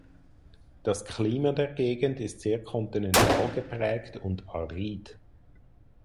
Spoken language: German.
Das Klima der Gegend ist sehr kontinental geprägt und arid.